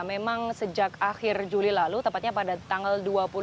memang sejak akhir juli lalu tepatnya pada tanggal dua puluh